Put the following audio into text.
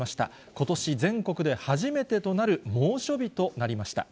ことし全国で初めてとなる猛暑日となりました。